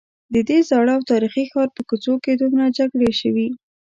ددې زاړه او تاریخي ښار په کوڅو کې دومره جګړې شوي.